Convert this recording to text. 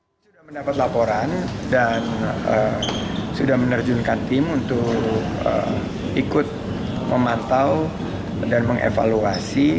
kami sudah mendapat laporan dan sudah menerjunkan tim untuk ikut memantau dan mengevaluasi